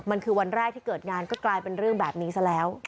มันคือวันแรกที่เกิดงานก็กลายเป็นเรื่องแบบนี้ซะแล้ว